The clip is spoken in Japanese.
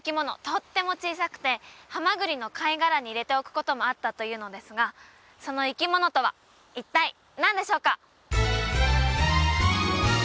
とっても小さくてハマグリの貝殻に入れておくこともあったというのですがその生き物とは一体何でしょうか？